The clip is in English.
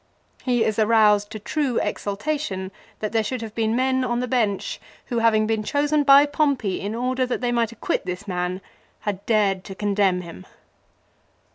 1 He is aroused to true exaltation that there should have been men on the bench who having been chosen by Pompey in order that they might acquit this man had dared to condemn him.